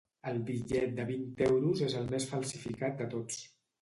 El bitllet de vint euros és el més falsificat de tots.